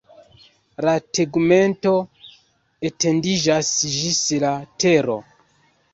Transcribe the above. La tegmento etendiĝas ĝis la tero.